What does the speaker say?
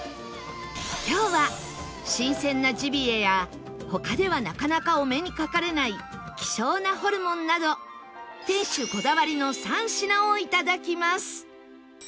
今日は新鮮なジビエや他ではなかなかお目にかかれない希少なホルモンなど店主こだわりの３品をいただきます